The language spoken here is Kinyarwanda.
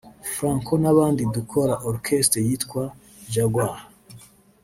Franco n’abadi dukora Orchestre yitwa ‘Jaguar’